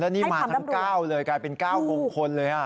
นี่มาทั้ง๙เลยกลายเป็น๙มงคลเลย